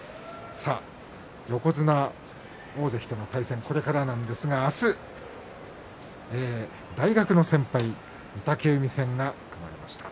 横綱、大関との対戦はこれからなんですが明日、大学の先輩御嶽海戦が組まれました。